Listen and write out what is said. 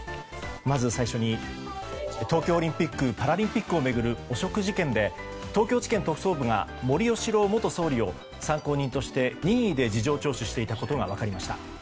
まず最初に東京オリンピック・パラリンピックを巡る汚職事件で、東京地検特捜部が森喜朗元総理を参考人として任意で事情聴取していたことが分かりました。